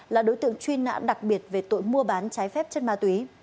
là đối tượng truy nã đặc biệt về tội mua bán trái phép chất ma túy